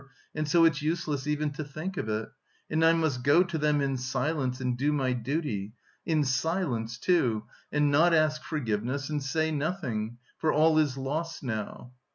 and so it's useless even to think of it, and I must go to them in silence and do my duty... in silence, too... and not ask forgiveness, and say nothing... for all is lost now!"